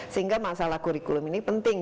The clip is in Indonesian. sehingga masalah kurikulum ini penting